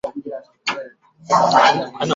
旁边一个阶梯